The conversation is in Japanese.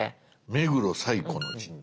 目黒最古の神社。